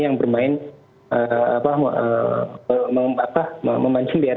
yang bermain memancing biar